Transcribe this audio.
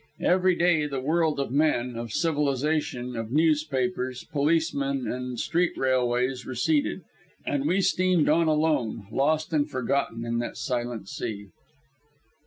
Every day the world of men, of civilization, of newspapers, policemen and street railways receded, and we steamed on alone, lost and forgotten in that silent sea.